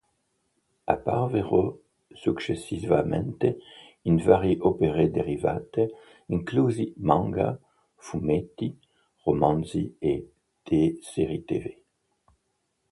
Apparvero successivamente in varie opere derivate, inclusi manga, fumetti, romanzi e serie tv.